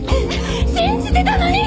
信じてたのに！